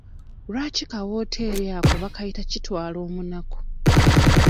Lwaki ka wooteeri ako bakayita kitwaloomunaku?